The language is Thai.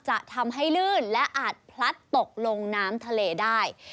จะทำให้ลื่นและอาจพลัดตกลงน้ำทะเลได้